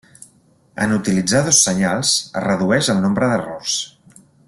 En utilitzar dos senyals es redueix el nombre d'errors.